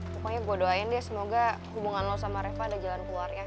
pokoknya gue doain deh semoga hubungan lo sama reva ada jalan keluar ya